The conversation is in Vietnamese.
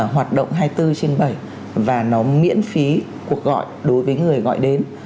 hoạt động hai mươi bốn trên bảy và nó miễn phí cuộc gọi đối với người gọi đến